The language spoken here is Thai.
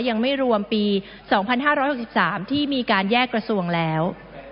ยังไม่รวมปี๒๕๖๓ที่มีการแยกกระทรวงแล้ว